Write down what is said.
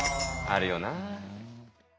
あるよな。